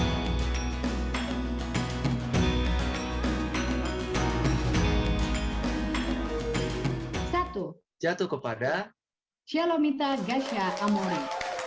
satu jatuh kepada shalomita gasha amoni